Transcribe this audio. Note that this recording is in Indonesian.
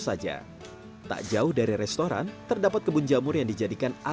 selain iklim faktor terpenting dalam budidaya jamur adalah suhu